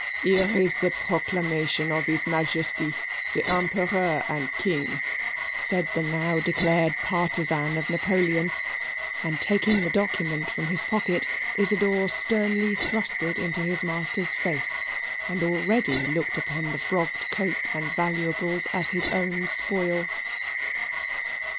Here's the proclamation of his Majesty the Emperor and King," said the now declared partisan of Napoleon, and taking the document from his pocket, Isidor sternly thrust it into his master's face, and already looked upon the frogged coat and valuables as his own spoil.